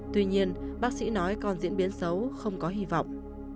tuy nhiên bác sĩ nói còn diễn biến xấu không có hy vọng